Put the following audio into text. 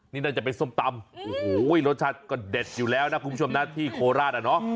นี่น่าจะเป็นส้มตำโอ้โหรสชาติก็เด็ดอยู่แล้วนะคุณผู้ชมนะที่โคราชอ่ะเนาะ